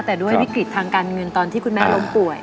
แต่ด้วยวิกฤตทางการเงินตอนที่คุณแม่ล้มป่วย